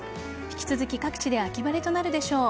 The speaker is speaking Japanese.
引き続き各地で秋晴れとなるでしょう。